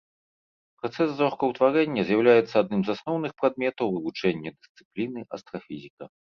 Працэс зоркаўтварэння з'яўляецца адным з асноўных прадметаў вывучэння дысцыпліны астрафізіка.